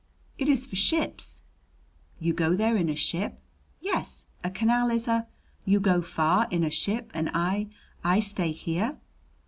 "It is for ships " "You go there in a ship?" "Yes. A canal is a " "You go far in a ship and I I stay here?"